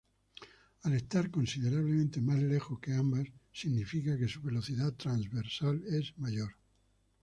Al estar considerablemente más lejos que ambas significa que su velocidad transversal es mayor.